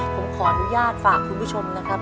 ผมขออนุญาตฝากคุณผู้ชมนะครับ